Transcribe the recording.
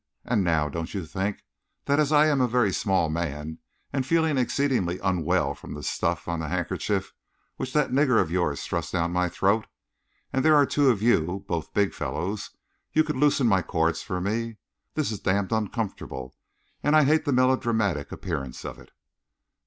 "And now, don't you think that as I am a very small man, and feeling exceedingly unwell from the stuff on the handkerchief which that nigger of yours thrust down my throat, and there are two of you, both big fellows, you could loosen my cords for me? This is damned uncomfortable, and I hate the melodramatic appearance of it."